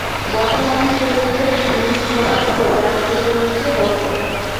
বর্তমান সেই নীচ পদার্থ যার ছোটো মুখে বড়ো কথা।